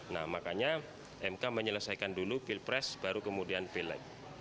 nah makanya mk menyelesaikan dulu pilpres baru kemudian pilek